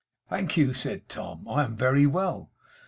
'Thank you,' said Tom. 'I am very well.